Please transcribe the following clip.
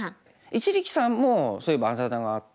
一力さんもそういえばあだ名があって。